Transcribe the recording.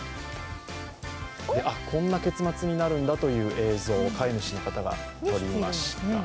こんな結末になるんだという映像、飼い主の方が撮りました。